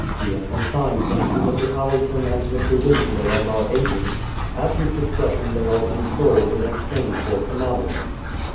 We have consigned them to Mr. Allerton and Mr. Winslow as our agents, at whose discretion they are to be sold in exchange for commodities.